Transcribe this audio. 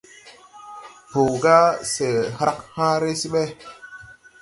Pow ga se hrag hããre se ɓɛ.